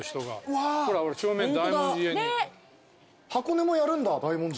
箱根もやるんだ大文字。